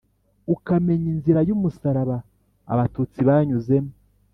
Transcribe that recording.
ukamenya inzira y’umusaraba abatutsi banyuzemo